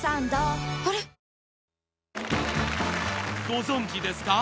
［ご存じですか？